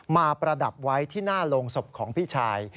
ประดับไว้ที่หน้าโรงศพของพี่ชาย